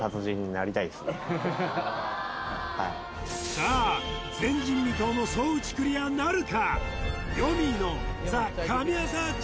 さあ前人未到の双打クリアなるか？